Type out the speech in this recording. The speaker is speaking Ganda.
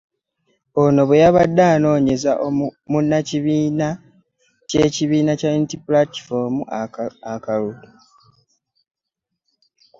Ono bwe yabadde anoonyeza munnakibiina kye ekya National Unity Platform akalulu.